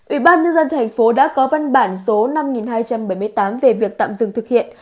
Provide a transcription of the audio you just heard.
ủy ban nhân dân thành phố đã có văn bản số năm nghìn hai trăm bảy mươi tám về việc tạm dừng thực hiện